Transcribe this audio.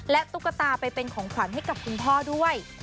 ตุ๊กตาไปเป็นของขวัญให้กับคุณพ่อด้วย